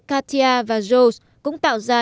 cartier và rose cũng tạo ra